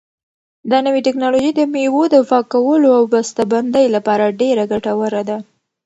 دا نوې ټیکنالوژي د مېوو د پاکولو او بسته بندۍ لپاره ډېره ګټوره ده.